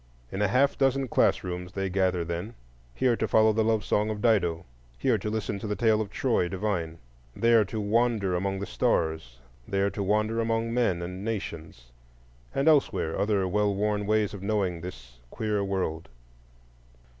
In a half dozen class rooms they gather then,—here to follow the love song of Dido, here to listen to the tale of Troy divine; there to wander among the stars, there to wander among men and nations,—and elsewhere other well worn ways of knowing this queer world.